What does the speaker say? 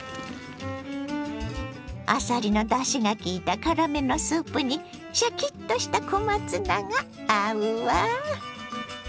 あさりのだしがきいた辛めのスープにシャキッとした小松菜が合うわ。